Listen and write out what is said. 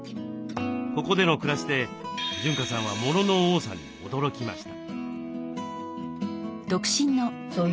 ここでの暮らしで潤香さんはモノの多さに驚きました。